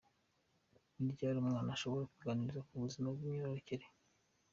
Ni ryari umwana ashobora kuganirizwa ku buzima bw’imyororokere?